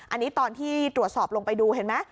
อันนี้ตอนที่ตรวจสอบลงไปดูเห็นไหม